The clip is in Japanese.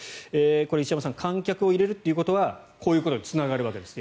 石山さん観客を入れるということはこういうことにつながるわけです。